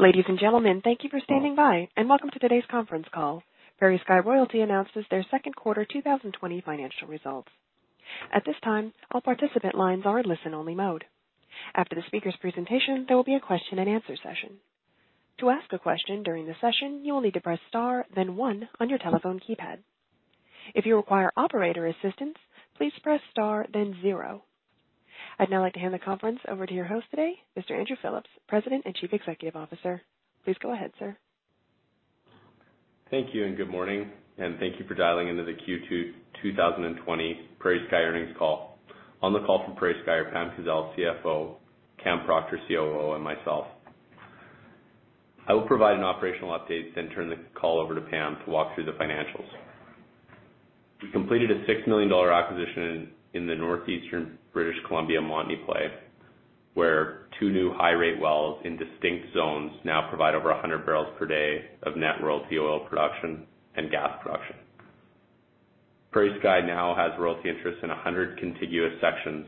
Ladies and gentlemen, thank you for standing by, welcome to today's conference call. PrairieSky Royalty announces their second quarter 2020 financial results. At this time, all participant lines are in listen-only mode. After the speaker's presentation, there will be a question and answer session. To ask a question during the session, you will need to press star then one on your telephone keypad. If you require operator assistance, please press star then zero. I'd now like to hand the conference over to your host today, Mr. Andrew Phillips, President and Chief Executive Officer. Please go ahead, sir. Thank you. Good morning, and thank you for dialing into the Q2 2020 PrairieSky earnings call. On the call from PrairieSky are Pamela Kazeil, CFO, Cameron Proctor, COO, and myself. I will provide an operational update, turn the call over to Pam to walk through the financials. We completed a 6 million dollar acquisition in the northeastern British Columbia Montney play, where two new high-rate wells in distinct zones now provide over 100 barrels per day of net royalty oil production and gas production. PrairieSky now has royalty interests in 100 contiguous sections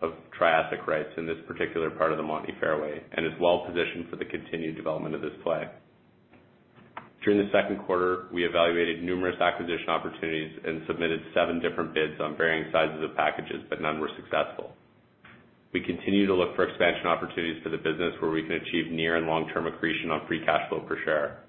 of Triassic rights in this particular part of the Montney fairway and is well-positioned for the continued development of this play. During the second quarter, we evaluated numerous acquisition opportunities and submitted seven different bids on varying sizes of packages, none were successful. We continue to look for expansion opportunities for the business where we can achieve near and long-term accretion on free cash flow per share.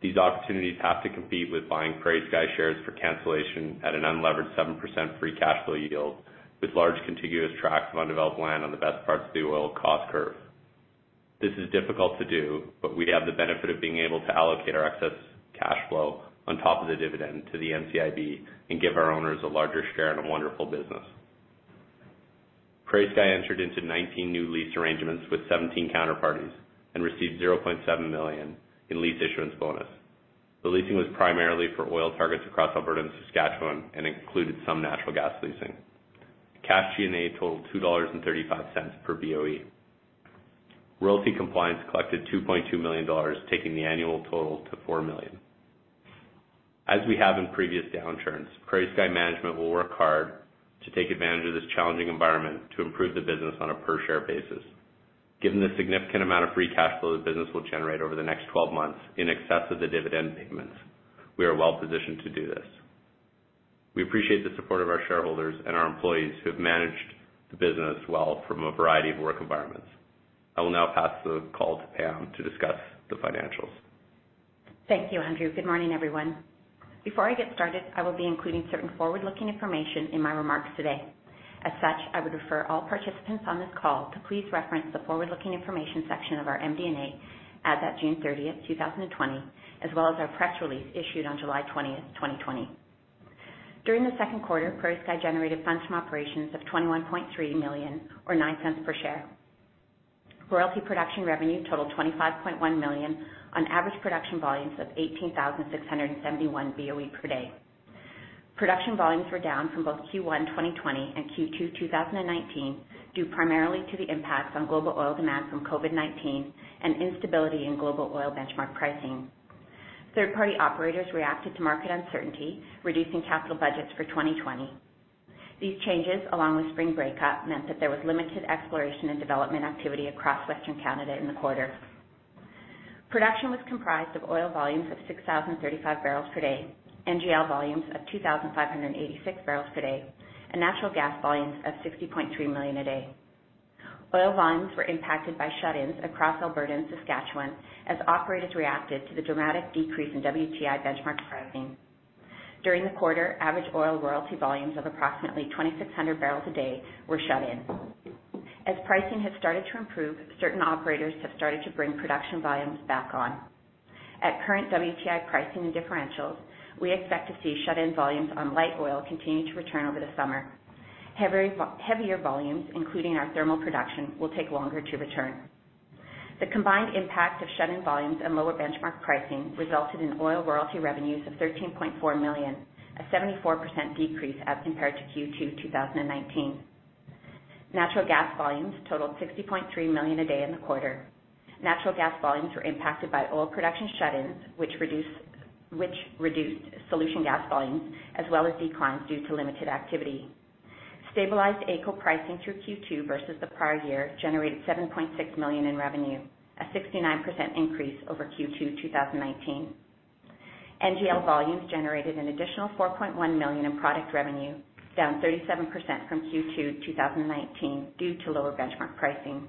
These opportunities have to compete with buying PrairieSky shares for cancellation at an unlevered 7% free cash flow yield with large contiguous tracts of undeveloped land on the best parts of the oil cost curve. This is difficult to do, but we'd have the benefit of being able to allocate our excess cash flow on top of the dividend to the NCIB and give our owners a larger share in a wonderful business. PrairieSky entered into 19 new lease arrangements with 17 counterparties and received 0.7 million in lease issuance bonus. The leasing was primarily for oil targets across Alberta and Saskatchewan and included some natural gas leasing. Cash G&A totaled 2.35 dollars per BOE. Royalty compliance collected 2.2 million dollars, taking the annual total to 4 million. As we have in previous downturns, PrairieSky management will work hard to take advantage of this challenging environment to improve the business on a per share basis. Given the significant amount of free cash flow the business will generate over the next 12 months in excess of the dividend payments, we are well positioned to do this. We appreciate the support of our shareholders and our employees who have managed the business well from a variety of work environments. I will now pass the call to Pam to discuss the financials. Thank you, Andrew. Good morning, everyone. Before I get started, I will be including certain forward-looking information in my remarks today. As such, I would refer all participants on this call to please reference the forward-looking information section of our MD&A as at June 30, 2020, as well as our press release issued on July 20, 2020. During the second quarter, PrairieSky generated funds from operations of 21.3 million or 0.09 per share. Royalty production revenue totaled 25.1 million on average production volumes of 18,671 BOE per day. Production volumes were down from both Q1 2020 and Q2 2019 due primarily to the impacts on global oil demand from COVID-19 and instability in global oil benchmark pricing. Third-party operators reacted to market uncertainty, reducing capital budgets for 2020. These changes, along with spring breakup, meant that there was limited exploration and development activity across Western Canada in the quarter. Production was comprised of oil volumes of 6,035 barrels per day, NGL volumes of 2,586 barrels per day, and natural gas volumes of 60.3 million a day. Oil volumes were impacted by shut-ins across Alberta and Saskatchewan as operators reacted to the dramatic decrease in WTI benchmark pricing. During the quarter, average oil royalty volumes of approximately 2,600 barrels a day were shut in. As pricing has started to improve, certain operators have started to bring production volumes back on. At current WTI pricing and differentials, we expect to see shut-in volumes on light oil continue to return over the summer. Heavier volumes, including our thermal production, will take longer to return. The combined impact of shut-in volumes and lower benchmark pricing resulted in oil royalty revenues of CAD 13.4 million, a 74% decrease as compared to Q2 2019. Natural gas volumes totaled 60.3 million a day in the quarter. Natural gas volumes were impacted by oil production shut-ins, which reduced solution gas volumes as well as declines due to limited activity. Stabilized AECO pricing through Q2 versus the prior year generated 7.6 million in revenue, a 69% increase over Q2 2019. NGL volumes generated an additional 4.1 million in product revenue, down 37% from Q2 2019 due to lower benchmark pricing.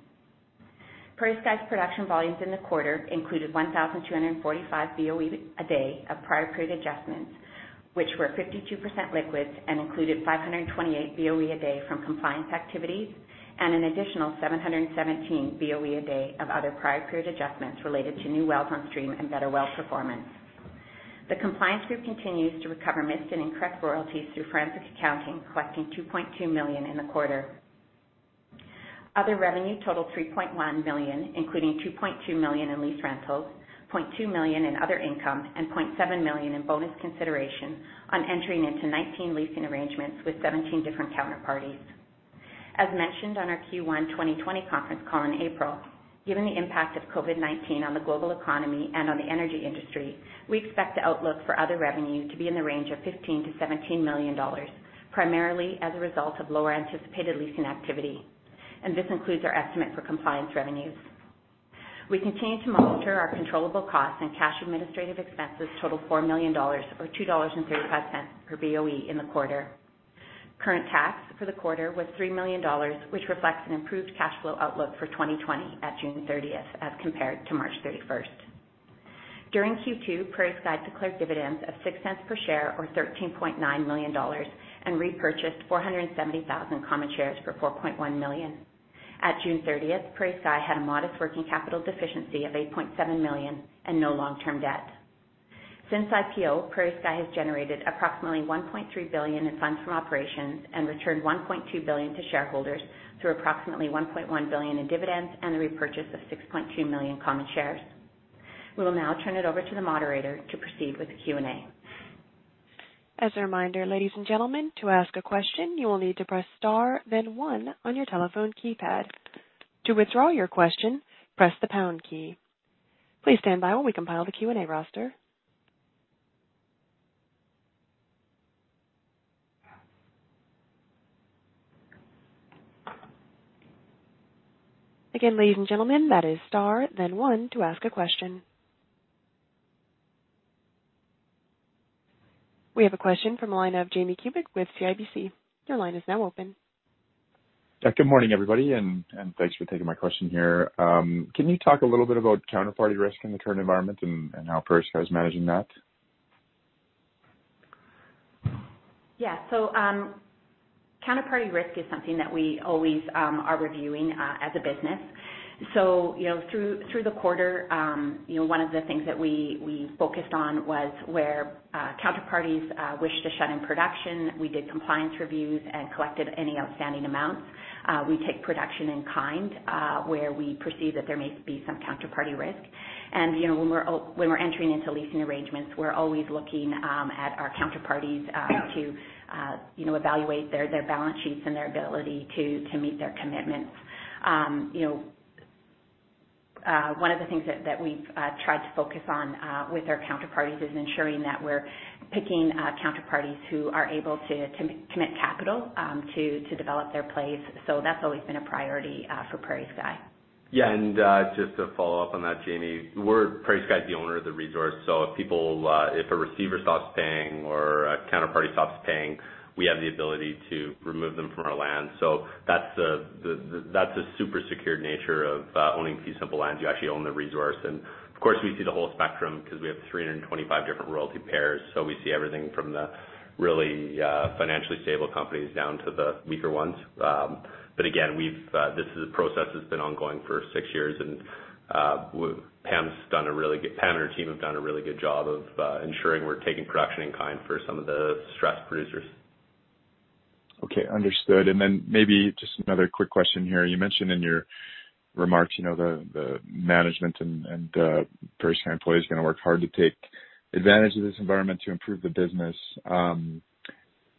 PrairieSky's production volumes in the quarter included 1,245 BOE a day of prior period adjustments, which were 52% liquids and included 528 BOE a day from compliance activities and an additional 717 BOE a day of other prior period adjustments related to new wells on stream and better well performance. The compliance group continues to recover missed and incorrect royalties through forensic accounting, collecting 2.2 million in the quarter. Other revenue totaled 3.1 million, including 2.2 million in lease rentals, 0.2 million in other income, and 0.7 million in bonus consideration on entering into 19 leasing arrangements with 17 different counterparties. As mentioned on our Q1 2020 conference call in April, given the impact of COVID-19 on the global economy and on the energy industry, we expect the outlook for other revenue to be in the range of 15 million-17 million dollars. Primarily as a result of lower anticipated leasing activity. This includes our estimate for compliance revenues. We continue to monitor our controllable costs and cash administrative expenses total 4 million dollars or 2.35 dollars per BOE in the quarter. Current tax for the quarter was 3 million dollars, which reflects an improved cash flow outlook for 2020 at June 30th as compared to March 31st. During Q2, PrairieSky declared dividends of 0.06 per share or 13.9 million dollars and repurchased 470,000 common shares for 4.1 million. At June 30th, PrairieSky had a modest working capital deficiency of 8.7 million and no long-term debt. Since IPO, PrairieSky has generated approximately 1.3 billion in funds from operations and returned 1.2 billion to shareholders through approximately 1.1 billion in dividends and the repurchase of 6.2 million common shares. We will now turn it over to the moderator to proceed with the Q&A. As a reminder, ladies and gentlemen, to ask a question, you will need to press star then one on your telephone keypad. To withdraw your question, press the pound key. Please stand by while we compile the Q&A roster. Again, ladies and gentlemen, that is star then one to ask a question. We have a question from the line of Jamie Kubik with CIBC. Your line is now open. Good morning, everybody, and thanks for taking my question here. Can you talk a little bit about counterparty risk in the current environment and how PrairieSky is managing that? Yeah. Counterparty risk is something that we always are reviewing as a business. Through the quarter, one of the things that we focused on was where counterparties wish to shut in production, we did compliance reviews and collected any outstanding amounts. We take production in kind, where we perceive that there may be some counterparty risk. When we're entering into leasing arrangements, we're always looking at our counterparties to evaluate their balance sheets and their ability to meet their commitments. One of the things that we've tried to focus on with our counterparties is ensuring that we're picking counterparties who are able to commit capital to develop their plays. That's always been a priority for PrairieSky. Just to follow up on that, Jamie, PrairieSky is the owner of the resource. If a receiver stops paying or a counterparty stops paying, we have the ability to remove them from our land. That's the super secured nature of owning fee simple lands. You actually own the resource, and of course, we see the whole spectrum because we have 325 different royalty payors, so we see everything from the really financially stable companies down to the weaker ones. Again, this process has been ongoing for six years, and Pam and her team have done a really good job of ensuring we're taking production in kind for some of the stressed producers. Okay, understood. Then maybe just another quick question here. You mentioned in your remarks the management and the PrairieSky employees are going to work hard to take advantage of this environment to improve the business. When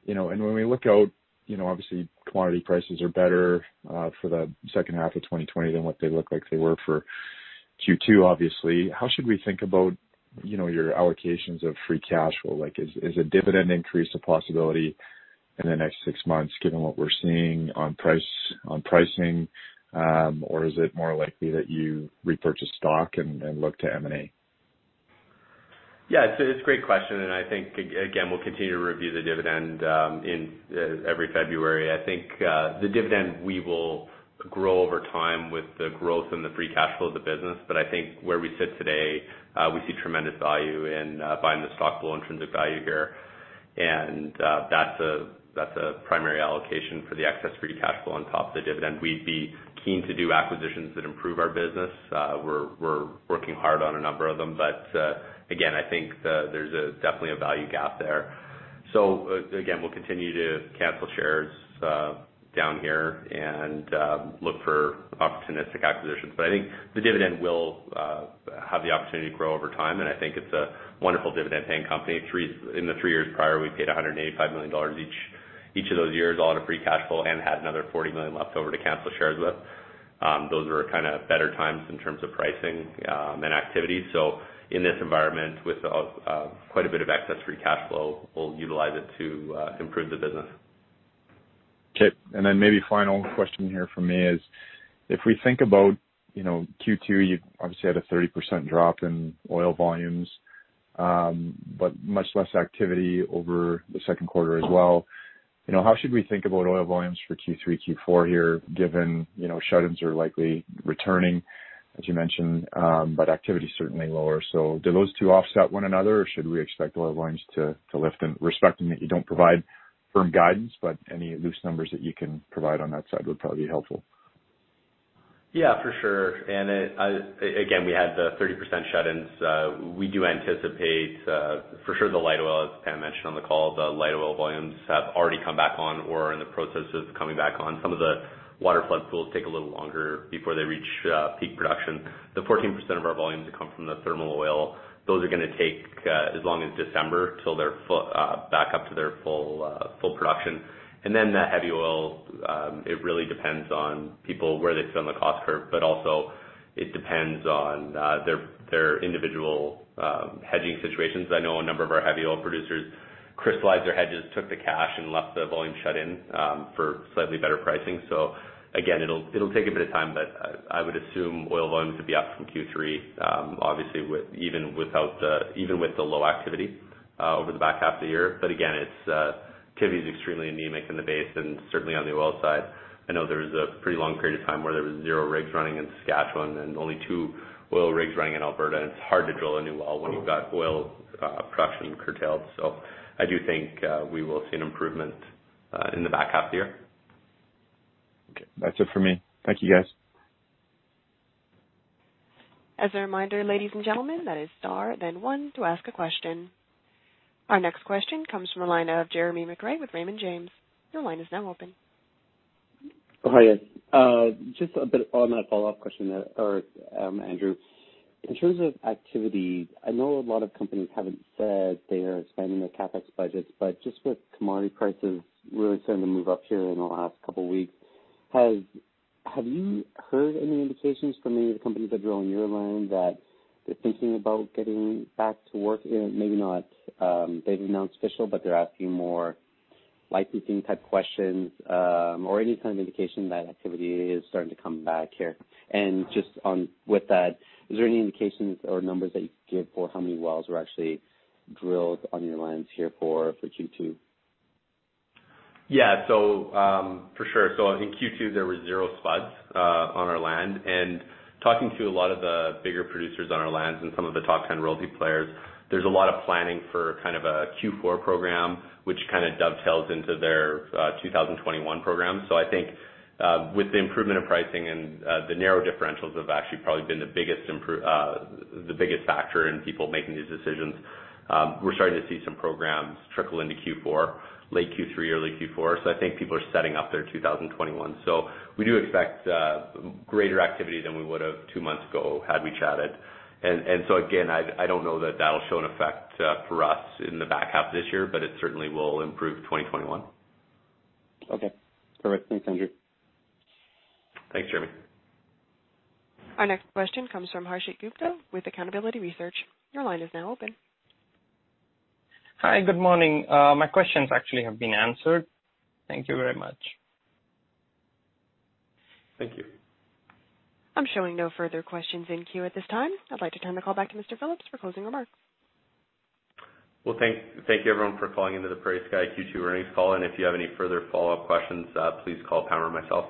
we look out, obviously, commodity prices are better for the second half of 2020 than what they look like they were for Q2, obviously. How should we think about your allocations of free cash flow? Is a dividend increase a possibility in the next six months given what we're seeing on pricing? Is it more likely that you repurchase stock and look to M&A? Yeah. It's a great question. I think, again, we'll continue to review the dividend every February. I think the dividend will grow over time with the growth and the free cash flow of the business. I think where we sit today we see tremendous value in buying the stock below intrinsic value here, and that's a primary allocation for the excess free cash flow on top of the dividend. We'd be keen to do acquisitions that improve our business. We're working hard on a number of them. Again, I think there's definitely a value gap there. Again, we'll continue to cancel shares down here and look for opportunistic acquisitions. I think the dividend will have the opportunity to grow over time, and I think it's a wonderful dividend-paying company. In the three years prior, we paid 185 million dollars each of those years all out of free cash flow and had another 40 million left over to cancel shares with. Those were better times in terms of pricing and activity. In this environment, with quite a bit of excess free cash flow, we'll utilize it to improve the business. Okay, maybe final question here from me is, if we think about Q2, you obviously had a 30% drop in oil volumes much less activity over the second quarter as well. How should we think about oil volumes for Q3, Q4 here, given shut-ins are likely returning, as you mentioned, activity is certainly lower. Do those two offset one another, should we expect oil volumes to lift? Respecting that you don't provide firm guidance, any loose numbers that you can provide on that side would probably be helpful. Yeah, for sure. Again, we had the 30% shut-ins. We do anticipate for sure the light oil, as Pam mentioned on the call, the light oil volumes have already come back on or are in the process of coming back on. Some of the waterflood pools take a little longer before they reach peak production. The 14% of our volumes that come from the thermal oil, those are going to take as long as December till they're back up to their full production. Then the heavy oil, it really depends on people where they sit on the cost curve, but also it depends on their individual hedging situations. I know a number of our heavy oil producers crystallized their hedges, took the cash, and left the volume shut in for slightly better pricing. Again, it'll take a bit of time, but I would assume oil volumes would be up from Q3, obviously, even with the low activity over the back half of the year. Again, activity is extremely anemic in the basin, certainly on the oil side. I know there was a pretty long period of time where there was zero rigs running in Saskatchewan and only two oil rigs running in Alberta, and it's hard to drill a new well when you've got oil production curtailed. I do think we will see an improvement in the back half of the year. Okay. That's it for me. Thank you, guys. As a reminder, ladies and gentlemen, that is star, then one to ask a question. Our next question comes from the line of Jeremy McCrea with Raymond James. Your line is now open. Oh, hi. Just a bit on that follow-up question there, Andrew. In terms of activity, I know a lot of companies haven't said they are expanding their CapEx budgets, but just with commodity prices really starting to move up here in the last couple of weeks, have you heard any indications from any of the companies that drill in your line that they're thinking about getting back to work? Maybe not they've announced official, but they're asking more licensing type questions, or any kind of indication that activity is starting to come back here. Just with that, is there any indications or numbers that you can give for how many wells were actually drilled on your lines here for Q2? Yeah. For sure. In Q2, there were zero spuds on our land. Talking to a lot of the bigger producers on our lands and some of the top 10 royalty players, there's a lot of planning for a Q4 program, which dovetails into their 2021 program. I think with the improvement in pricing and the narrow differentials have actually probably been the biggest factor in people making these decisions. We're starting to see some programs trickle into Q4, late Q3 or late Q4. I think people are setting up their 2021. We do expect greater activity than we would've two months ago had we chatted. Again, I don't know that that'll show an effect for us in the back half of this year, but it certainly will improve 2021. Okay. Perfect. Thanks, Andrew. Thanks, Jeremy. Our next question comes from Harshit Gupta with Accountability Research. Your line is now open. Hi, good morning. My questions actually have been answered. Thank you very much. Thank you. I'm showing no further questions in queue at this time. I'd like to turn the call back to Mr. Phillips for closing remarks. Well, thank you, everyone, for calling into the PrairieSky Q2 earnings call. If you have any further follow-up questions, please call Pam or myself.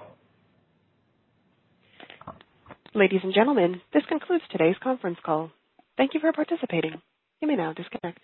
Ladies and gentlemen, this concludes today's conference call. Thank you for participating. You may now disconnect.